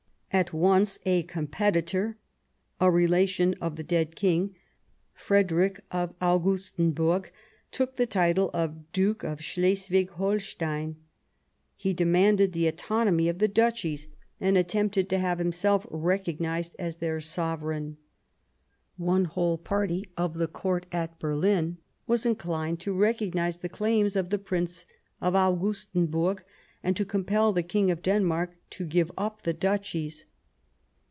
At once a competitor, a relation of the dead King, Frederick of Augustenburg, took the title of Duke of Slesvig Holstein ; he demanded the autonomy of the Duchies and attempted to have 67 Bismarck himself recognized as their sovereign. One whole party at the Court of Berlin was inclined to recog nize the claims of the Prince of Augustenburg and to compel the King of Denmark to give up the Duchies.